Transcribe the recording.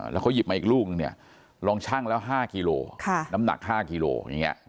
แล้วเขาหยิบมาอีกลูกลองชั่งแล้ว๕กิโลกรัมน้ำหนัก๕กิโลกรัม